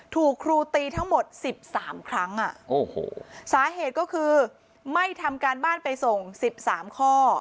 ถูกครูตีทั้งหมด๑๓ครั้งสาเหตุก็คือไม่ทำการบ้านไปส่ง๑๓ข้อ